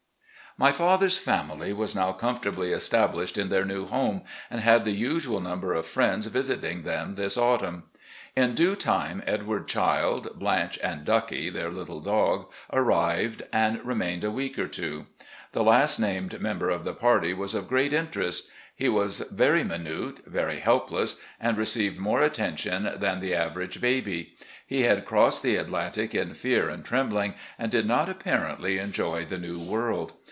My father's family was now comfortably established in their new home, and had the usual number of friends visiting them this autumn. In due time Edward Childe, Blanche, and "Duckie," their little dog, arrived and remained a week or two. The last named member of the party was of great interest. He was very minute, very helpless, and received more attention than the aver age baby. He had crossed the Atlantic in fear and trembling, and did not apparently enjoy the new world.